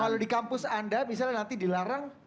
kalau di kampus anda misalnya nanti dilarang